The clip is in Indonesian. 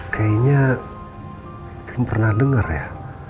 kayaknya belum pernah dengar ya